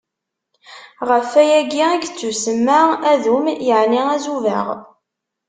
Ɣef wayagi i yettusemma Adum, yeɛni Azubaɣ.